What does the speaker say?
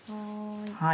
はい。